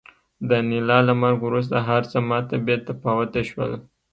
د انیلا له مرګ وروسته هرڅه ماته بې تفاوته شول